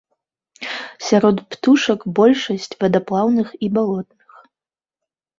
Сярод птушак большасць вадаплаўных і балотных.